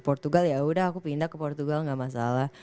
portugal ya udah aku pindah ke portugal nggak masalah